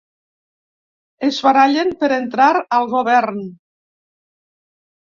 Es barallen per entrar al govern.